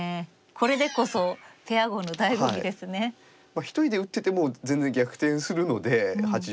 １人で打ってても全然逆転するので８０％９０％。